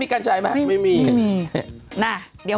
ข่าวใหญ่อยู่เนี่ย